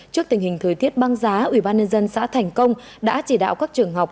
trước tình hình thời tiết băng giá ủy ban nhân dân xã thành công đã chỉ đạo các trường học